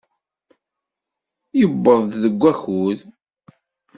Yewweḍ-d deg wakud.